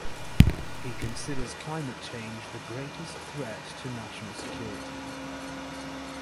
He considers climate change the greatest threat to national security.